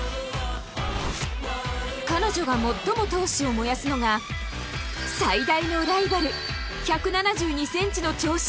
彼女が最も闘志を燃やすのが最大のライバル１７２ｃｍの長身